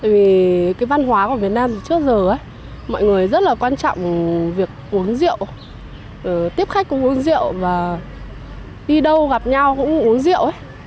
vì cái văn hóa của việt nam từ trước giờ mọi người rất là quan trọng việc uống rượu tiếp khách cũng uống rượu và đi đâu gặp nhau cũng uống rượu